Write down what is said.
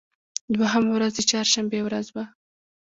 دوهمه ورځ د چهار شنبې ورځ وه.